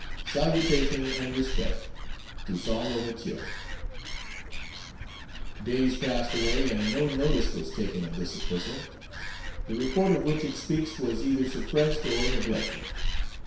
"Salutation and respect, "TOUSSAINT L'OUVERTURE." Days passed away, and no notice was taken of this epistle. The report of which it speaks was either suppressed or neglected.